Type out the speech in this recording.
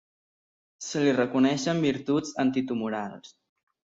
Se li reconeixen virtuts antitumorals.